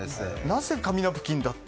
なぜ、紙ナプキンだった？